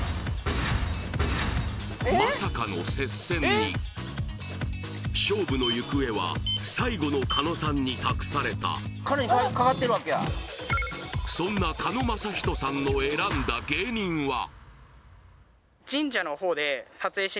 まさかの接戦に勝負の行方は最後の狩野さんに託されたそんな狩野将仁さんの選んだ芸人は？